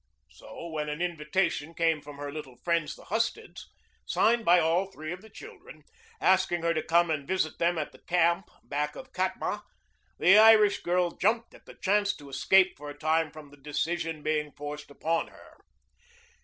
So when an invitation came from her little friends the Husteds, signed by all three of the children, asking her to come and visit them at the camp back of Katma, the Irish girl jumped at the chance to escape for a time from the decision being forced upon her.